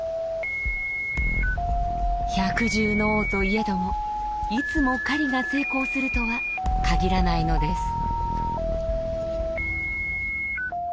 百獣の王といえどもいつも狩りが成功するとは限らないのです。